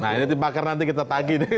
nah ini tim pakar nanti kita tagi